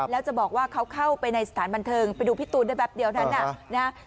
แล้วจะบอกว่าเขาเข้าไปในสถานบันเทิงไปดูพี่ตูนได้แป๊บเดียวนั้น